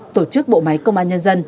tổ chức bộ máy công an nhân dân